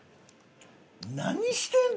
何してんの？